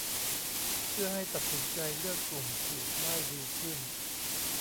เพื่อให้ตัดสินใจเลือกกลุ่มฉีดได้ดีขึ้น